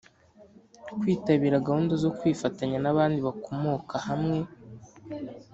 kwitabira gahunda zo kwifatanya n’abandi bakomoka hamwe